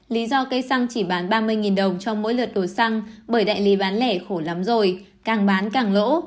lý do cây xăng chỉ bán ba mươi đồng cho mỗi lượt đổi xăng bởi đại lý bán lẻ khổ lắm rồi càng bán càng lỗ